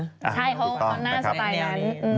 ใช่เค้าหน้าสไตล์ดันแหละนะครับถูกต้องนะครับแน่นาน